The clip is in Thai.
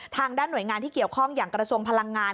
ทางด้านหน่วยงานที่เกี่ยวข้องอย่างกระทรวงพลังงาน